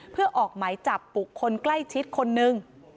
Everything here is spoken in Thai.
เพื่อออกหมายจับบุคคลใกล้ชิดคนนึง